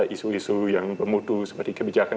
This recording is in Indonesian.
isu isu yang bermutu seperti kebijakan